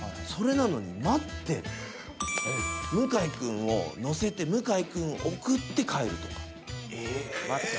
それなのに待って向井君を乗せて向井君送って帰るとか。